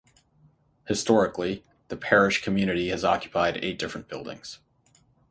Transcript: Historically, the parish community has occupied eight different buildings.